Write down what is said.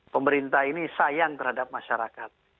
pemerintah ini sayang terhadap masyarakat